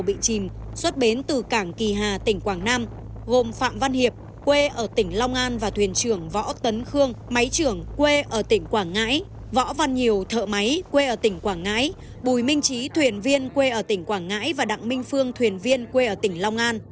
tàu bị chìm xuất bến từ cảng kỳ hà tỉnh quảng nam gồm phạm văn hiệp quê ở tỉnh long an và thuyền trưởng võ tấn khương máy trưởng quê ở tỉnh quảng ngãi võ văn nhiều thợ máy quê ở tỉnh quảng ngãi bùi minh trí thuyền viên quê ở tỉnh quảng ngãi và đặng minh phương thuyền viên quê ở tỉnh long an